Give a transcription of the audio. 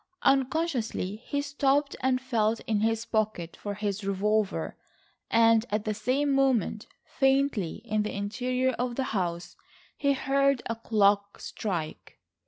Unconsciously he stopped and felt in his pocket for his revolver, and at the same moment, faintly, in the interior of the house, he heard a clock strike.